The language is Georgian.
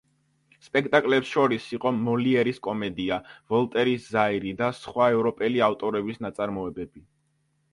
სპექტაკლებს შორის იყო მოლიერის კომედია, ვოლტერის „ზაირი“ და სხვა ევროპელი ავტორების ნაწარმოებები.